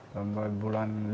di bulan lima enam tujuh